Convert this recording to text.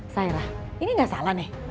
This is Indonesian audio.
sairah ini nggak salah nih